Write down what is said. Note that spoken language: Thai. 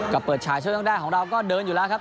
ก็เปิดฉากช่วงแรกของเราก็เดินอยู่แล้วครับ